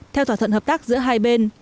theo thỏa thuận hợp tác giữa hai bên